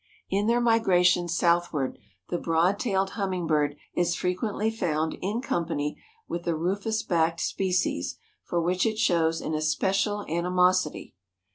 In their migrations southward the Broad tailed Hummingbird is frequently found in company with the rufous backed species, for which it shows an especial animosity.